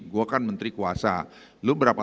gue kan menteri kuasa lo beberapa